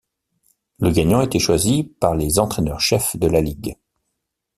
Le gagnant était choisi par les entraîneurs-chefs de la ligue.